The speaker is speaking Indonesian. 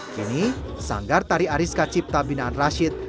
kini sanggar tari ariska cipta binaan rashid